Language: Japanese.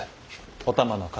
お玉の方様。